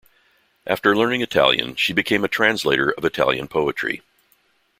After learning Italian, she became a translator of Italian poetry.